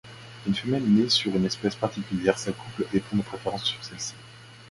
Une femelle née sur une espèce particulière s'accouple et pond de préférence sur celle-ci.